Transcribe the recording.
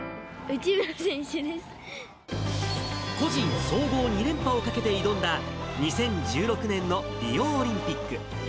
個人総合２連覇を懸けて挑んだ、２０１６年のリオオリンピック。